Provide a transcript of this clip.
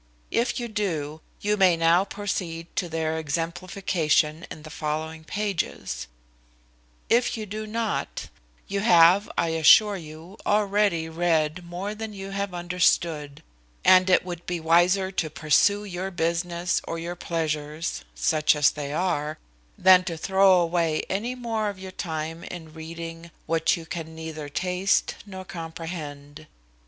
If you do, you may now proceed to their exemplification in the following pages: if you do not, you have, I assure you, already read more than you have understood; and it would be wiser to pursue your business, or your pleasures (such as they are), than to throw away any more of your time in reading what you can neither taste nor comprehend.